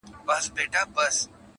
سیوري ته د پلونو مي کاروان راسره وژړل؛